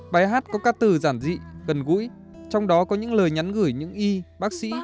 bài hát có các từ giản dị gần gũi trong đó có những lời nhắn gửi những y bác sĩ